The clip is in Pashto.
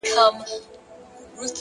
صبر د پخېدو هنر دی.